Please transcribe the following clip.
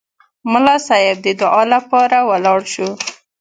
ملا صیب د دعا لپاره ولاړ شو.